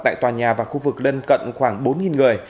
tại tòa nhà và khu vực lân cận khoảng bốn người